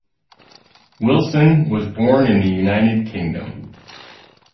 Wilson was born in the United Kingdom.